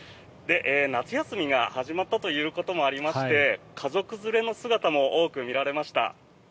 夏休みが始まったということもありまして家族連れの姿も多く見られました。